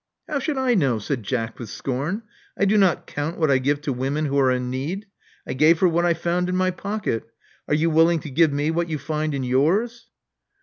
How should I know?" said Jack with scorn. I do not count what I give to women who are in need. I gave her what I found in my pocket. Are you will ing to give me what you find in yours?"